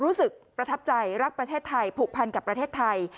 รู้สึกประทับใจรักประเทศไทยผูกพันกับประเทศไทย